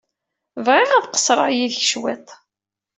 Bɣiɣ ad qeṣṣreɣ yid-k cwiṭ.